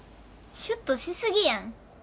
シュッとしすぎやん。